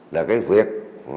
là cái việc